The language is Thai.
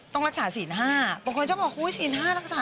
ต้องรักษาศีลห้าบางคนจะบอกฮู้ยศีลห้ารักษา